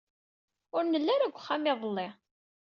Ur nelli ara deg uxxam iḍelli.